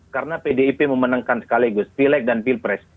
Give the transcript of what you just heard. karena pdip memenangkan sekaligus pilek dan pilpres